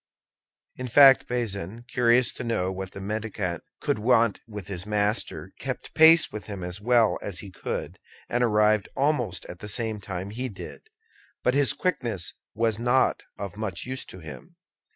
In fact, Bazin, curious to know what the mendicant could want with his master, kept pace with him as well as he could, and arrived almost at the same time he did; but his quickness was not of much use to him.